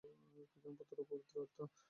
পিতা, পুত্র এবং পবিত্র আত্মা!